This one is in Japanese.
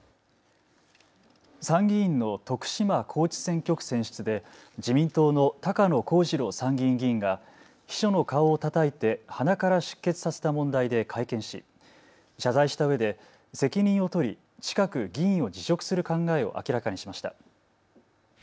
参議院の徳島高知選挙区選出で自民党の高野光二郎参議院議員が秘書の顔をたたいて鼻から出血させた問題で会見し謝罪したうえで責任を取り近く議員を辞職する考えを明らかにしました。